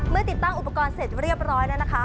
ติดตั้งอุปกรณ์เสร็จเรียบร้อยแล้วนะคะ